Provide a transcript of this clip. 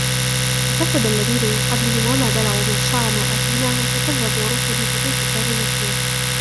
وكذب الذين من قبلهم وما بلغوا معشار ما آتيناهم فكذبوا رسلي فكيف كان نكير